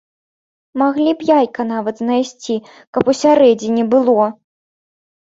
Маглі б яйка нават знайсці, каб усярэдзіне было!